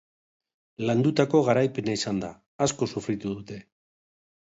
Landutako garaipena izan da, asko sufritu dute.